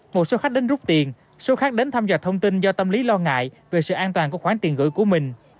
một số khách đến rút tiền số khách đến thăm dò thông tin do tâm lý lo ngại về sự an toàn của khoản tiền gửi của mình